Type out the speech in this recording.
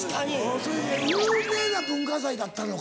それ有名な文化祭だったのか。